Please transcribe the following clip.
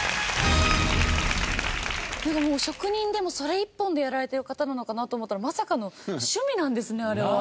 職人でもそれ一本でやられてる方なのかなと思ったらまさかの趣味なんですねあれは。